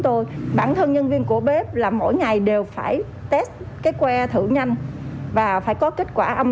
tôi bản thân nhân viên của bếp là mỗi ngày đều phải test cái que thử nhanh và phải có kết quả âm